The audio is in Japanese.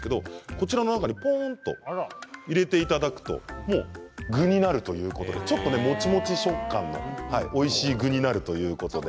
この中にぽんと入れていただくと具になるということでちょっと、もちもち食感のおいしい具になるということです。